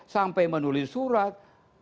sampai menulis surat